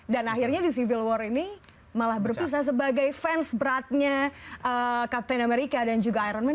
dan akhirnya di civil war ini malah berpisah sebagai fans beratnya captain america dan juga iron man